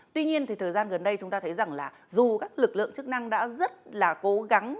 tuy nhiên thì thời gian gần đây chúng ta thấy rằng là dù các lực lượng chức năng đã rất là cố gắng